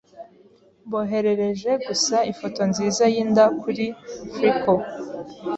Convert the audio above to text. Mboherereje gusa ifoto nziza yinda kuri Flickr.